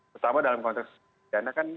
pertama dalam konteks pidana kan